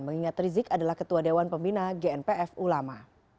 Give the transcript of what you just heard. mengingat rizik adalah ketua dewan pembina gnpf ulama